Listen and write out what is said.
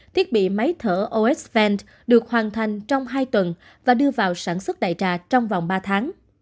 thiết bị máy thở osvent được hoàn thành trong hai tuần và đưa vào sản xuất đại trà trong vòng ba tháng